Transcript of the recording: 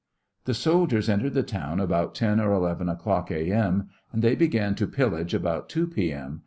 The soldiers entered the town about ten or eleven o'clock, A. M., and they began to pillage about two P. M.